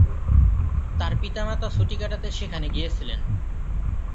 তার পিতামাতা ছুটি কাটাতে সেখানে গিয়েছিলেন।